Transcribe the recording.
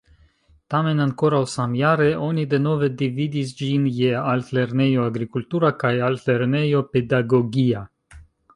Tamen ankoraŭ samjare oni denove dividis ĝin je Altlernejo Agrikultura kaj Altlernejo Pedagogia.